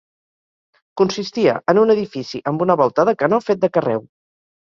Consistia en un edifici amb una volta de canó fet de carreu.